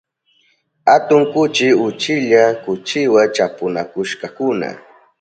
Atun kuchi uchilla kuchiwa chapunakushkakuna.